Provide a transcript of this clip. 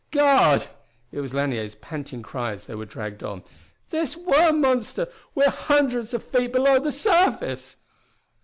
"God!" It was Lanier's panting cry as they were dragged on. "This worm monster we're hundreds of feet below the surface!"